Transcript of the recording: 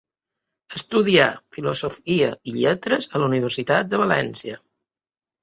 Estudià Filosofia i Lletres a la Universitat de València.